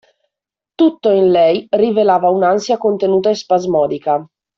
Tutto in lei rivelava un’ansia contenuta e spasmodica.